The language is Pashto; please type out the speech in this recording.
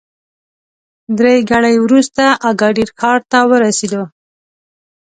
درې ګړۍ وروسته اګادیر ښار ته ورسېدو.